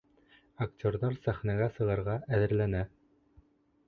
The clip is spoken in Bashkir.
Актерҙар сәхнәгә сығырға әҙерләнә.